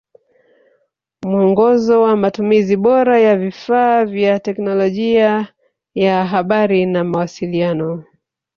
Muongozo wa Matumizi bora ya vifaa vya teknolojia ya habari na mawasiliano